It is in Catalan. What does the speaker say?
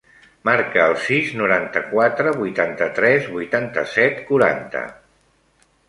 Marca el sis, noranta-quatre, vuitanta-tres, vuitanta-set, quaranta.